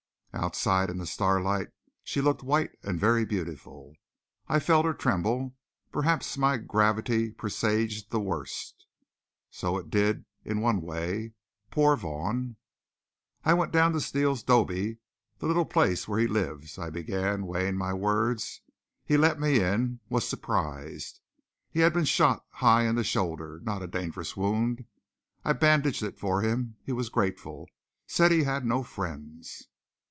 Outside in the starlight she looked white and very beautiful. I felt her tremble. Perhaps my gravity presaged the worst. So it did in one way poor Vaughn! "I went down to Steele's 'dobe, the little place where he lives." I began, weighing my words. "He let me in was surprised. He had been shot high in the shoulder, not a dangerous wound. I bandaged it for him. He was grateful said he had no friends."